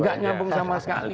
gak nyambung sama sekali